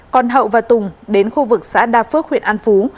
còn hậu và tùng đến khu vực xã đa phước huyện an phú